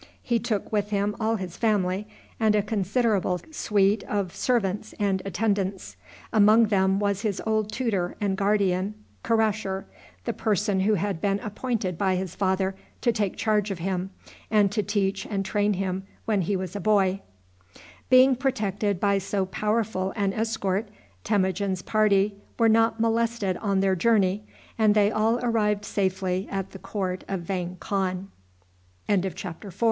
He took with him all his family, and a considerable suite of servants and attendants. Among them was his old tutor and guardian Karasher, the person who had been appointed by his father to take charge of him, and to teach and train him when he was a boy. Being protected by so powerful an escort, Temujin's party were not molested on their journey, and they all arrived safely at the court of Vang Khan. CHAPTER V. VANG KHAN. 1175 Karakatay. Vang Khan's dominions. The cruel fate of Mergus. His wife's stratagem. Nawr.